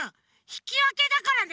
ひきわけだからね。